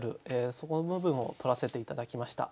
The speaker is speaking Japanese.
そこの部分をとらせて頂きました。